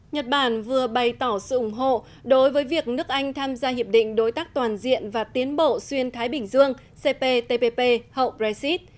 nhật bản vừa bày tỏ sự ủng hộ đối với việc nước anh tham gia hiệp định đối tác toàn diện và tiến bộ xuyên thái bình dương cptpp hậu brexit